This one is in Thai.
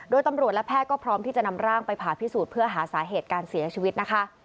โดยตำรวจและแพทย์ก็พร้อมที่จะนำร่างไปผ่าพิสูจน์เพื่อหาสาเหตุการเสียชีวิตนะคะ